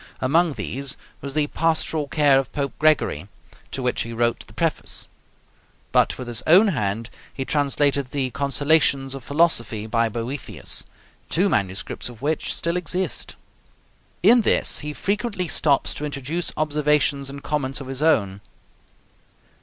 Among these was the 'Pastoral Care of Pope Gregory,' to which he wrote the Preface; but with his own hand he translated the 'Consolations of Philosophy,' by Boethius, two manuscripts of which still exist. In this he frequently stops to introduce observations and comments of his own.